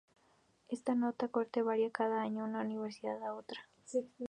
Esta nota de corte varía cada año y de una universidad a otra.